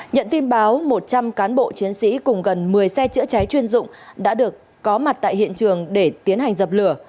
nhận tin báo một trăm linh cán bộ chiến sĩ cùng gần một mươi xe chữa cháy chuyên dụng đã được có mặt tại hiện trường để tiến hành dập lửa